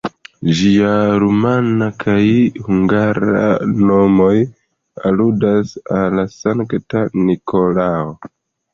Ĝiaj rumana kaj hungara nomoj aludas al Sankta Nikolao.